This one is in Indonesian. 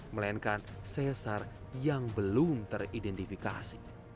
melainkan sesar yang belum teridentifikasi